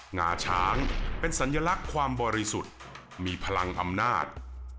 งาช้างเป็นสัญลักษณ์ความบริสุทธิ์มีพลังอำนาจ